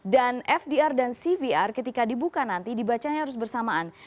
dan fdr dan cvr ketika dibuka nanti dibacanya harus bersamaan